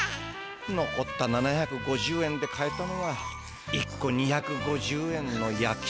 のこった７５０円で買えたのは１個２５０円のやきそばか。